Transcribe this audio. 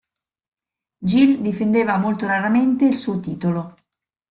Gill difendeva molto raramente il suo titolo.